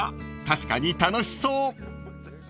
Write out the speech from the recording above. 確かに楽しそう！］